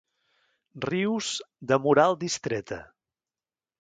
Rius, de Moral Distreta.